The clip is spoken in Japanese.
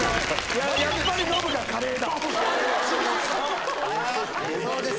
やっぱりノブがカレーだそうです